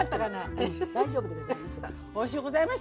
大丈夫でございます。